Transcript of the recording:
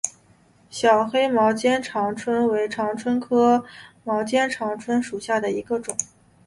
小黑毛肩长蝽为长蝽科毛肩长蝽属下的一个种。